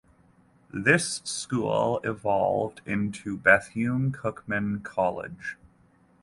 This school evolved into Bethune–Cookman College.